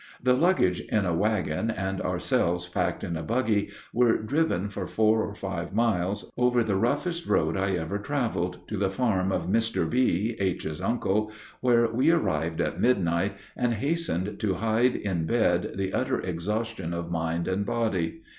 The luggage in a wagon, and ourselves packed in a buggy, were driven for four or five miles, over the roughest road I ever traveled, to the farm of Mr. B., H.'s uncle, where we arrived at midnight and hastened to hide in bed the utter exhaustion of mind and body.